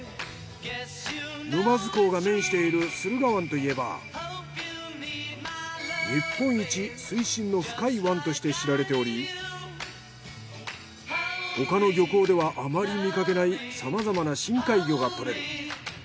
沼津港が面している駿河湾といえば日本一水深の深い湾として知られており他の漁港ではあまり見かけないさまざまな深海魚が獲れる。